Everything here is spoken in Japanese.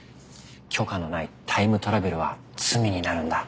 許可のないタイムトラベルは罪になるんだ。